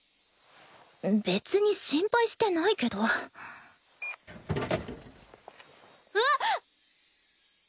別に心配してないけどうわっ！